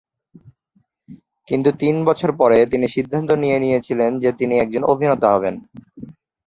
কিন্তু তিন বছর পরে, তিনি সিদ্ধান্ত নিয়ে নিয়েছিলেন যে তিনি একজন অভিনেতা হবেন।